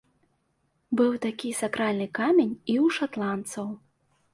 Быў такі сакральны камень і ў шатландцаў.